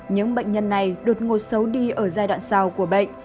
những bệnh nhân này đột ngột xấu đi ở giai đoạn sau của bệnh